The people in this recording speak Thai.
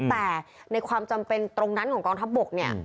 แต่ในความจำเป็นตรงนั้นของกองทัพบกเนี่ย